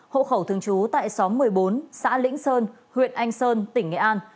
hộ khẩu thường trú tại xóm một mươi bốn xã lĩnh sơn huyện anh sơn tỉnh nghệ an